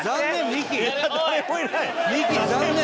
ミキ残念。